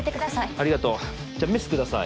ありがとうじゃあメスください